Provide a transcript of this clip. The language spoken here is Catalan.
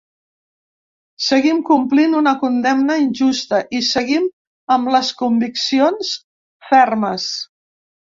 Seguim complint una condemna injusta i seguim amb les conviccions fermes.